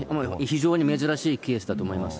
非常に珍しいケースだと思います。